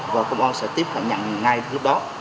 và công an sẽ tiến hành